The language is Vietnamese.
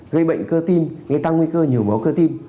gây bệnh cơ tim gây tăng nguy cơ nhồi máu cơ tim